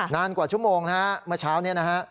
นานกว่าชั่วโมงนะฮะเมื่อเช้านี้นะฮะ